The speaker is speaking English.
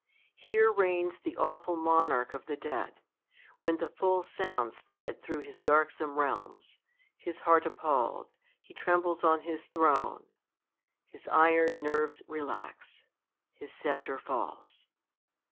Here reigns the awful monarch of the dead; When the full sound spread thro' his darksome realms, His heart a])paIPd, he trembles on his throne : His iron nerves relax : his sceptre falls.